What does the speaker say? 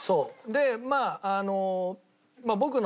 でまああの。